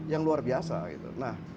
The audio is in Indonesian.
yang luar biasa gitu